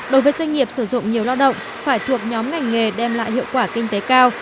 đối với doanh nghiệp sử dụng nhiều lao động phải thuộc nhóm ngành nghề đem lại hiệu quả kinh tế cao